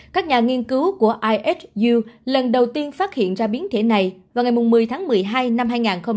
các nhà nghiên cứu của ihu lần đầu tiên phát hiện ra biến thể này vào ngày một mươi tháng một mươi hai năm hai nghìn hai mươi một